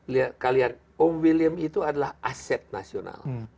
lihat kalian om william itu adalah aset nasional